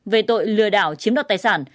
về tội lừa đảo chiếm đoạt tài sản